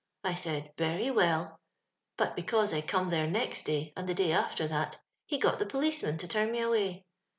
I said, *Very well;' but because I come there next day and the day after that, he got the policeman to turn me away.